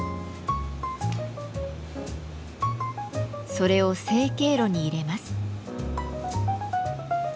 それを成形炉に入れます。